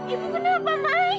ibu kenapa mai